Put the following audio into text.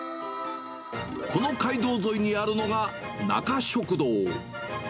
この街道沿いにあるのが、なか食堂。